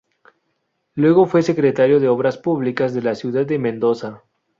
Luego fue secretario de Obras Públicas de la Ciudad de Mendoza.